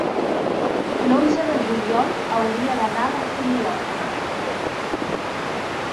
l'onze de juliol hauria d'anar a la Fuliola.